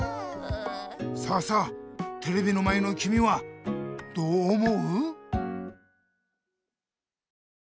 さあさあテレビの前のきみはどう思う？